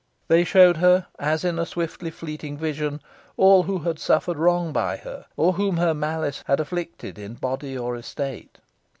They showed her, as in a swiftly fleeting vision, all who had suffered wrong by her, or whom her malice had afflicted in body or estate.